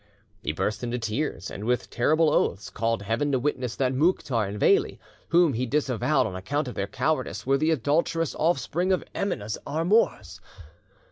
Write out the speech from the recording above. He burst into tears, and, with terrible oaths, called Heaven to witness that Mouktar and Veli, whom he disavowed on account of their cowardice, were the adulterous offspring of Emineh's amours.